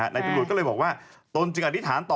ในจุดหลวงก็เลยบอกว่าต้นจึงอธิษฐานต่อ